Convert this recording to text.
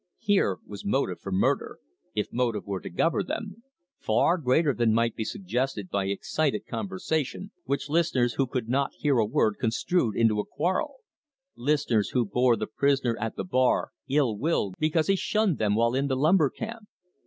Here was motive for murder if motive were to govern them far greater than might be suggested by excited conversation which listeners who could not hear a word construed into a quarrel listeners who bore the prisoner at the bar ill will because he shunned them while in the lumber camp.